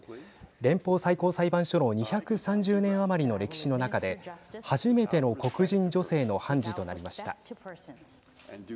連邦最高裁判所の２３０年余りの歴史の中で初めての黒人女性の判事となりました。